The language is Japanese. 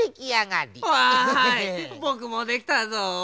ぼくもできたぞ！